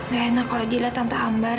gak enak kalo dilihat tante ambar